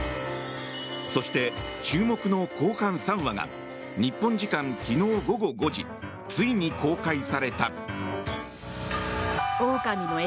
そして注目の後半３話が日本時間昨日午後５時ついに公開された。